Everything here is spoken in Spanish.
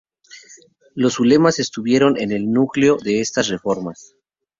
Los ulemas estuvieron en el núcleo de estas reformas.